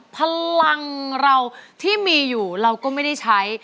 พลังเราที่มีอยู่เราก็ไม่ได้ใช้